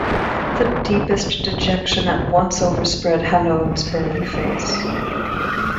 The deepest dejection at once overspread Hanaud's burly face.